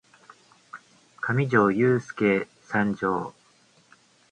かみじょーゆーすーけ参上！